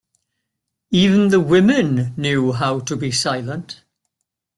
Even the women knew how to be silent.